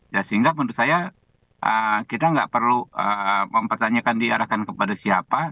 ya sehingga menurut saya kita nggak perlu mempertanyakan diarahkan kepada siapa